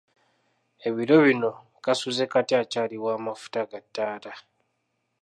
Ebiro bino kaasuzekatya akyali w'amafuta ga ttaala?